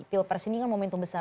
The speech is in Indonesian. pilpres ini kan momentum besar